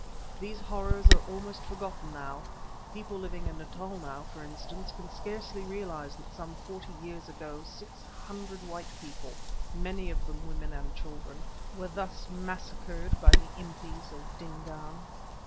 These horrors are almost forgotten now; people living in Natal now, for instance, can scarcely realize that some forty years ago six hundred white people, many of them women and children, were thus massacred by the Impis of Dingaan.